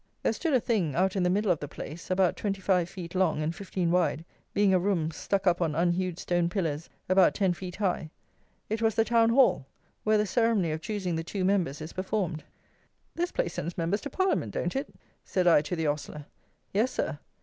There stood a thing out in the middle of the place, about 25 feet long and 15 wide, being a room stuck up on unhewed stone pillars about 10 feet high. It was the Town Hall, where the ceremony of choosing the two Members is performed. "This place sends Members to Parliament, don't it?" said I to the ostler. "Yes, Sir."